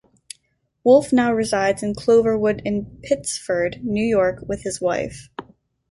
Wolf now resides in Cloverwood in Pittsford, New York, with his wife.